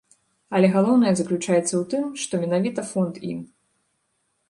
Але галоўнае заключаецца ў тым, што менавіта фонд ім.